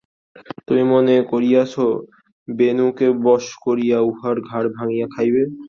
তুমি মনে করিয়াছ বেণুকে বশ করিয়া উহার ঘাড় ভাঙিয়া খাইবে।